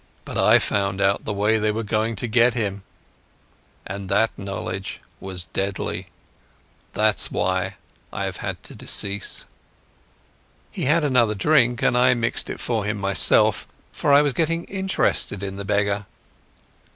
But I found out the way they were going to get him, and that knowledge was deadly. That's why I have had to decease." He had another drink, and I mixed it for him myself, for I was getting interested in the beggar.